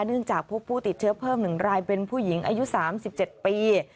จากพบผู้ติดเชื้อเพิ่ม๑รายเป็นผู้หญิงอายุ๓๗ปี